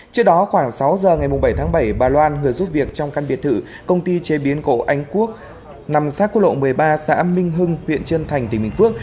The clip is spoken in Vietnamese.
trước đó khoảng sáu giờ ngày bảy tháng bảy bà loan người giúp việc trong căn biệt thự công ty chế biến gỗ anh quốc nằm sát quốc lộ một mươi ba xã minh hưng huyện trân thành tỉnh bình phước